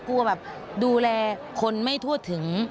กลัวแบบดูแลคนไม่ทั่วถึง